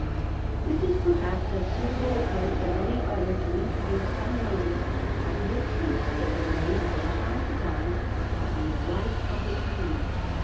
157 This is perhaps as suitable a place as any other to introduce some notice of the attempts that were made from time to time upon the life of the Queen.